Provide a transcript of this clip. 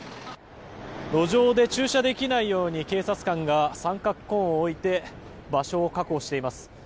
路上で駐車できないように警察官が三角コーンを置いて場所を確保しています。